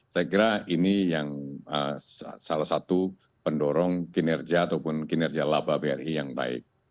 saya kira ini yang salah satu pendorong kinerja ataupun kinerja laba bri yang baik